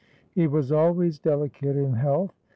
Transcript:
He was always delicate in health.